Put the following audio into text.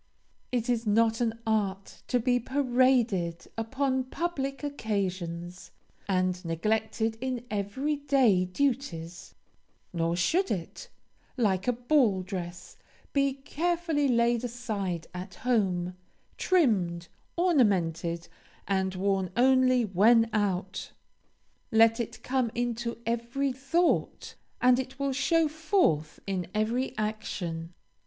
It is not an art to be paraded upon public occasions, and neglected in every day duties; nor should it, like a ball dress, be carefully laid aside at home, trimmed, ornamented, and worn only when out. Let it come into every thought, and it will show forth in every action.